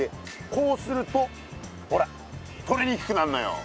こうするとほらとれにくくなんのよ。